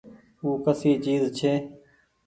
او ڪسي چئيز ڇي۔